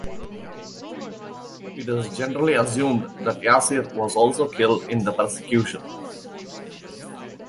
It is generally assumed that Yasir was also killed in the persecution.